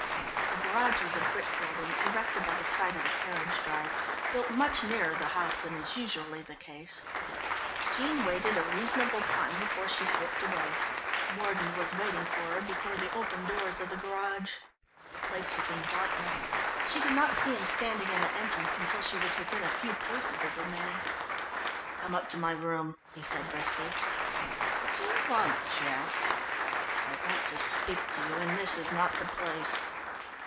The garage was a brick building erected by the side of the carriage drive, built much nearer the house than is usually the case. Jean waited a reasonable time before she slipped away. Mordon was waiting for her before the open doors of the garage. The place was in darkness; she did not see him standing in the entrance until she was within a few paces of the man. "Come up to my room," he said briskly. "What do you want?" she asked. "I want to speak to you and this is not the place."